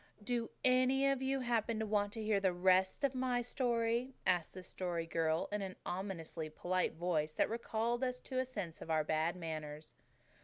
"Do any of you happen to want to hear the rest of my story?" asked the Story Girl in an ominously polite voice that recalled us to a sense of our bad manners.